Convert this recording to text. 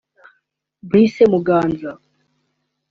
Blaise Muganza